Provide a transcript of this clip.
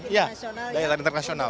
ya daya tarik internasional